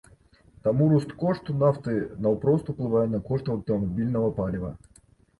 Таму рост кошту нафты наўпрост уплывае на кошт аўтамабільнага паліва.